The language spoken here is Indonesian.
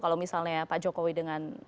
kalau misalnya pak jokowi dengan